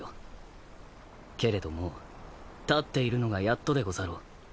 けれどもう立っているのがやっとでござろう。